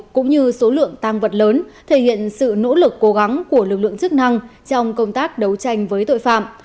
cũng như số lượng tăng vật lớn thể hiện sự nỗ lực cố gắng của lực lượng chức năng trong công tác đấu tranh với tội phạm